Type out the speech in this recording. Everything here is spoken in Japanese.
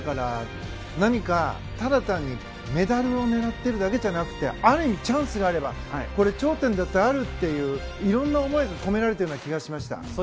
何かただ単にメダルを狙ってるだけじゃなくてチャンスがあれば頂点だってあるという色んな思いが込められている気がしました。